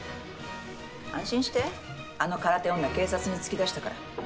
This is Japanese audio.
安心してあの空手女警察に突き出したから。